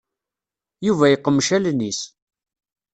Yuba yeqmec allen-is.